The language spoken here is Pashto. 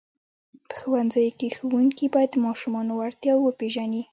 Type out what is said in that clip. په ښوونځیو کې ښوونکي باید د ماشومانو وړتیاوې وپېژني.